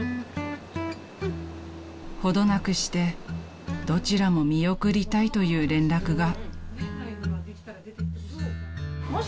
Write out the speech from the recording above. ［ほどなくしてどちらも見送りたいという連絡が］